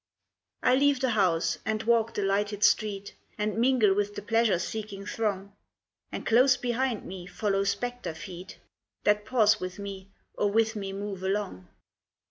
I leave the house, and walk the lighted street; And mingle with the pleasure seeking throng. And close behind me follow spectre feet That pause with me, or with me move along.